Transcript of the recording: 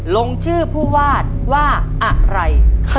ลงชื่อผู้วาดว่าอะไร